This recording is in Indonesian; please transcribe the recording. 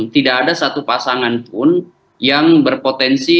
tidak ada satu pasangan pun yang berpotensi